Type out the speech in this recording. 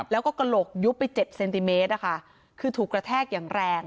แล้วก็กระโหลกยุบไปเจ็ดเซนติเมตรนะคะคือถูกกระแทกอย่างแรง